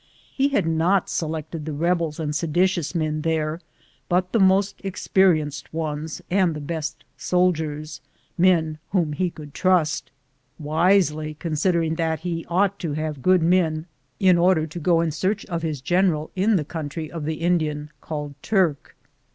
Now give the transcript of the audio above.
He had not selected the rebels and seditious men there, but the most experienced ones and the best soldiers — men whom he could trust — wisely considering that he ought to have good men in order to go in search of his general in the country of the Indian called Turk.